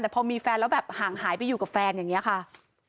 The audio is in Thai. แต่พอมีแฟนแล้วแบบห่างหายไปอยู่กับแฟนอย่างนี้ค่ะ